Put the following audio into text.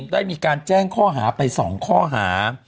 ได้มีการแจ้งข้อหาไป๒ข้อหา